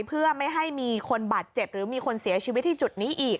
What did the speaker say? เพื่อไม่ให้มีคนบาดเจ็บหรือมีคนเสียชีวิตที่จุดนี้อีก